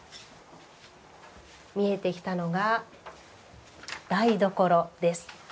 見えてきたのが台所です。